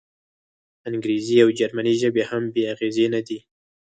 انګریزي او جرمني ژبې هم بې اغېزې نه دي.